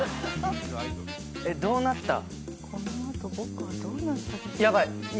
えっどうなった？